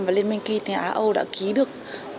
và liên minh kinh tế á âu đã ký được